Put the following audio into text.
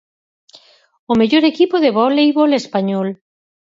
O mellor equipo de voleibol español.